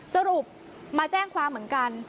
สรุปมาแจ้งความเหมือนกัน